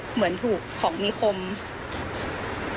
เหมือนถูกของมีคม